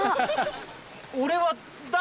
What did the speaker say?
俺は誰だ？